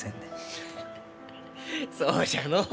フフそうじゃのう！